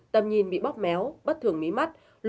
tầm nhìn bị bóp méo bất thường mí mắt